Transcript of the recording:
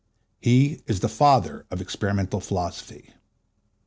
He is the father of experimental philosophy.